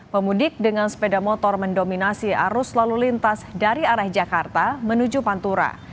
pemudik dengan sepeda motor mendominasi arus lalu lintas dari arah jakarta menuju pantura